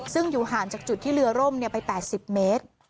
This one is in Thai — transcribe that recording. ซึ่งอยู่ห่างจากจุดที่เรือร่มไป๘๐เมตร